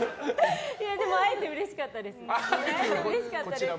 でも会えてうれしかったです。